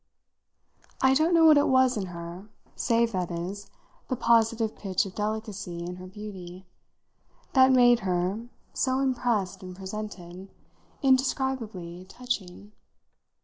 I don't know what it was in her save, that is, the positive pitch of delicacy in her beauty that made her, so impressed and presented, indescribably touching.